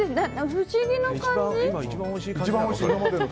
不思議な感じ。